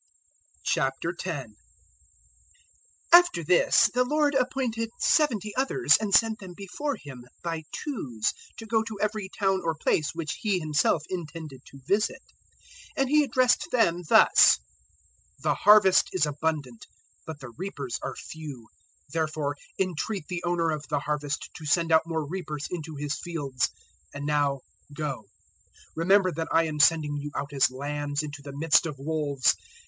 010:001 After this the Lord appointed seventy others, and sent them before Him, by twos, to go to every town or place which He Himself intended to visit. 010:002 And He addressed them thus: "The harvest is abundant, but the reapers are few: therefore entreat the Owner of the harvest to send out more reapers into His fields. And now go. 010:003 Remember that I am sending you out as lambs into the midst of wolves.